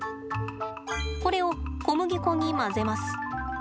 これを小麦粉に混ぜます。